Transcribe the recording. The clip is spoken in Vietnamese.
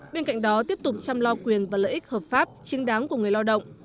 bên cạnh đó tiếp tục chăm lo quyền và lợi ích hợp pháp chính đáng của người lao động